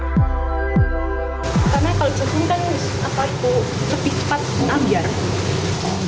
karena kalau jipang ini kan apa itu lebih cepat mengambil